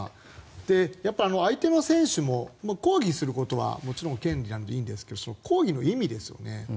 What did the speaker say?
で、相手の選手も抗議することはもちろん権利なのでいいんですが抗議の意味ですよね。